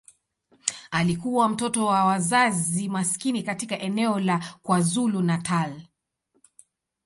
Alikuwa mtoto wa wazazi maskini katika eneo la KwaZulu-Natal.